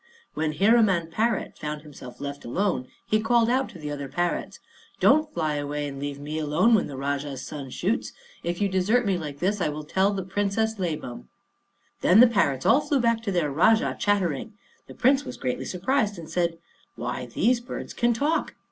When Hiraman parrot found himself left alone, he called out to the other parrots, "Don't fly away and leave me alone when the Rajah's son shoots. If you desert me like this, I will tell the Princess Labam." Then the parrots all flew back to their Rajah, chattering. The Prince was greatly surprised, and said, "Why, these birds can talk!"